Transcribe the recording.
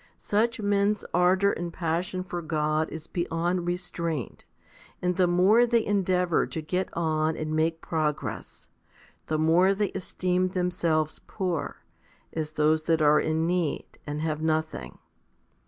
Such men's ardour and passion for God is beyond restraint, and the more they endeavour to get on and make progress, the more they esteem themselves poor, as those that are in need and have nothing.